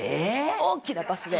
大きなバスで。